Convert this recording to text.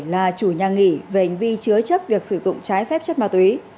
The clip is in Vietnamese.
là chủ nhà nghỉ về hành vi chứa chấp việc sử dụng trái phép chất ma túy